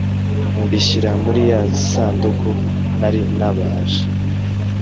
mbishyira muri ya sanduku nari nabaje,